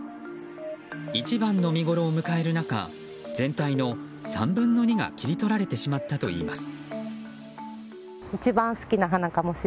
一番の見ごろを迎える中全体の３分の２が切り取られてしまったといいます。